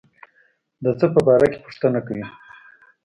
د څه په باره کې پوښتنه کوي.